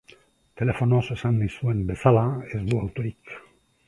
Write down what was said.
Telefonoz esan nizuen bezala, Ez du autorik.